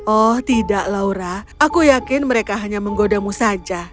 oh tidak laura aku yakin mereka hanya menggodamu saja